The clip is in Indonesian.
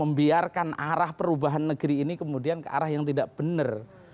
membiarkan arah perubahan negeri ini kemudian ke arah yang tidak benar